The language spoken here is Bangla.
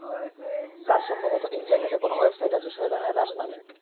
স্যার, সম্ভবত ইন্টারনেটে কোন ওয়েবসাইট আছে, শয়তানের দাস নামে।